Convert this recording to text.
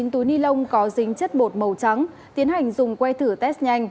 một mươi chín túi ni lông có dính chất bột màu trắng tiến hành dùng quay thử test nhanh